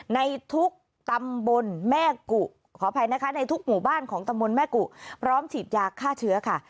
ในทุกตำบลแม่กุขออภัยนะคะในทุกหมู่บ้านของตำบลแม่กุพร้อมฉีดยาฆ่าเชื้อค่ะ